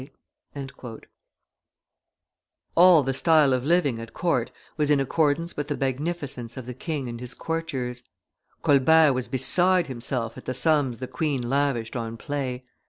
" [Illustration: Bed chamber Etiquette 15] All the style of living at court was in accordance with the magnificence of the king and his courtiers; Colbert was beside himself at the sums the queen lavished on play.